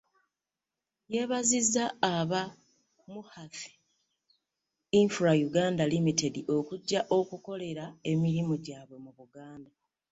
Yeebazizza aba Muhathi Infra Uganda Limited okujja okukolera emirimu gyabwe mu Buganda.